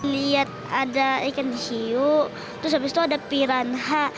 lihat ada ikan dihiu terus habis itu ada piranha